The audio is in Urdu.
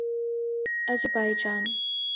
آذربائیجان